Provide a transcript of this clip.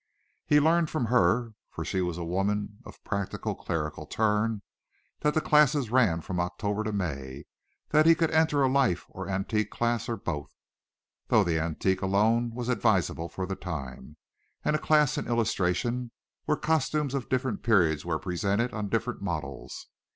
He learned from her, for she was a woman of a practical, clerical turn, that the classes ran from October to May, that he could enter a life or antique class or both, though the antique alone was advisable for the time, and a class in illustration, where costumes of different periods were presented on different models.